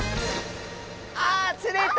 あ釣れた！